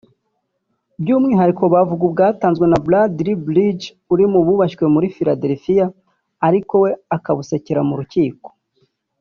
by’umwihariko bavuga ubwatanzwe na Bradley Bridge uri mu bubashywe muri Philadelphia ariko we akabusekera mu rukiko